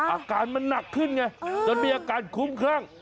อาการมันหนักขึ้นไงจนมีอาการคุ้มครั่ง